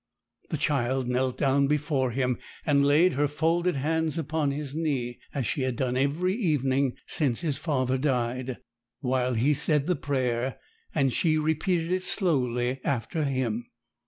The child knelt down before him, and laid her folded hands upon his knee, as she had done every evening since his father died, while he said the prayer, and she repeated it slowly after him.